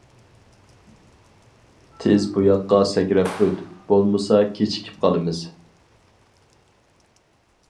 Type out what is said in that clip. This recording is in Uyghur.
تېز بۇياققا سەكرەپ ئۆت، بولمىسا كېچىكىپ قالىمىز.